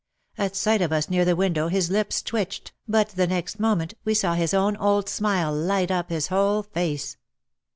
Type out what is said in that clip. At sight of us near the window his lips twitched, but the next moment we saw his own old smile light up his whole face.